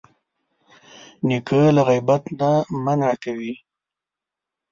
نیکه له غیبت نه منع کوي.